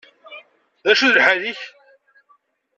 D acu d lḥal-ik?